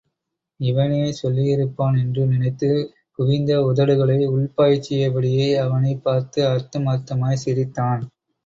இவனே சொல்லியிருப்பான் என்று நினைத்து, குவிந்த உதடுகளை உள்பாய்ச்சிய படியே அவனைப் பார்த்து அர்த்தம் அர்த்தமாய் சிரித்தான்.